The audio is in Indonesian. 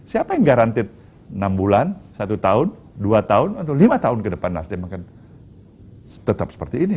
siapa yang garantip enam bulan satu tahun dua tahun atau lima tahun ke depan nasdem akan tetap seperti ini